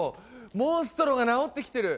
モンストロが治ってきてる！